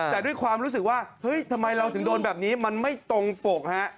แต่ด้วยความรู้สึกว่าเฮ้ยทำไมเราถึงโดนแบบนี้มันไม่ตรงปกฮะ